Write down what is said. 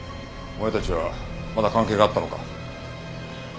お前たちはまだ関係があったのか？